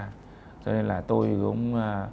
cho nên là tôi cũng